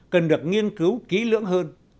cần được nghiên cứu kỹ lưỡng hơn